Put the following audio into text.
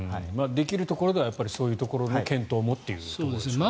できるところではそういうところの検討もというところでしょうね。